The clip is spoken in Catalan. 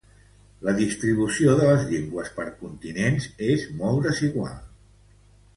La distribució de les llengües per continents és molt desigual.